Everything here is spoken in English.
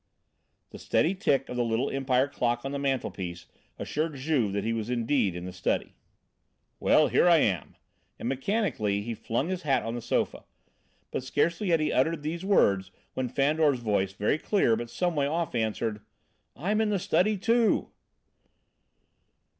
The steady tick of the little Empire clock on the mantelpiece assured Juve that he was indeed in the study. "Well, here I am," and mechanically he flung his hat on the sofa. But scarcely had he uttered these words when Fandor's voice, very clear, but some way off answered "I am in the study, too."